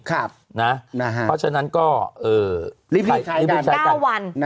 เพราะฉะนั้นก็รีฟวิษใช้กัน๙วัน